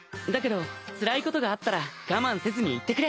世韻つらいことがあったら我慢せずに言ってくれ。